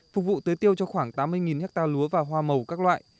phục vụ tưới tiêu cho khoảng tám mươi hectare lúa và hoa màu các loại